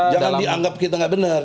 jangan dianggap kita nggak benar